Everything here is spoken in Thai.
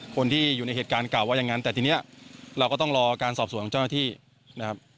คนที่อยู่ในเหตุการณ์กล่าวว่าอย่างนั้นแต่ทีนี้เราก็ต้องรอการสอบสวนของเจ้าหน้าที่นะครับ